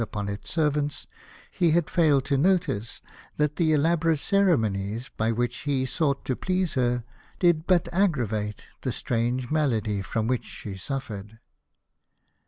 upon its servants, he had failed to notice that the elaborate ceremonies by which he sought to please her did but aggravate the strange malady from which she suffered.